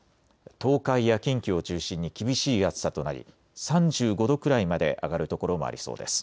東海や近畿を中心に厳しい暑さとなり３５度くらいまで上がる所もありそうです。